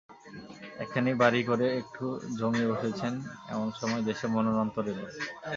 একখানি বাড়ি করে একটু জমিয়ে বসেছেন এমন সময় দেশে মন্বন্তর এল।